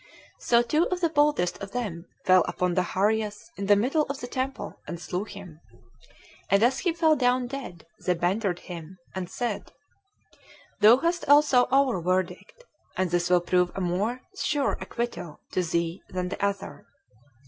So two of the boldest of them fell upon Zacharias in the middle of the temple, and slew him; and as he fell down dead, they bantered him, and said, "Thou hast also our verdict, and this will prove a more sure acquittal to thee than the other."